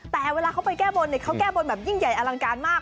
แต่เวลาเขาไปแก้บนเขาแก้บนแบบยิ่งใหญ่อลังการมาก